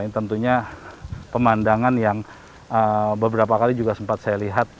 tentunya pemandangan yang beberapa kali juga sempat saya lihat